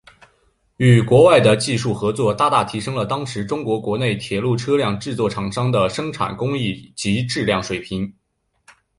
与国外的技术合作大大提升了当时中国国内铁路车辆制造厂商的生产工艺及质量水平。